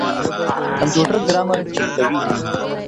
کمپيوټر ګرامر چک کوي.